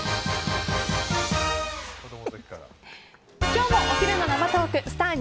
今日もお昼の生トークスター☆